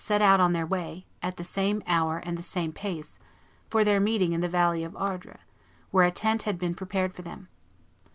set out on their way, at the same hour and the same pace, for their meeting in the valley of Ardres, where a tent had been prepared for them.